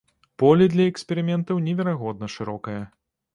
Поле для эксперыментаў неверагодна шырокае.